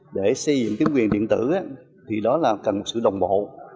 để xây dựng chính quyền điện tử thì đó là cần sự đồng bộ